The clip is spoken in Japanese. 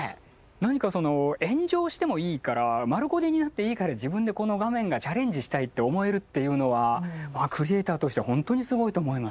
何かその炎上してもいいから丸焦げになっていいから自分でこの画面がチャレンジしたいって思えるっていうのはクリエーターとしてほんとにすごいと思いますね。